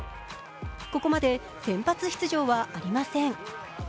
ここまで先発出場はありません。